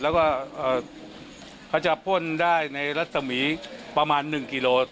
แล้วก็เขาจะพ่นได้ในรัศมีประมาณ๑กิโล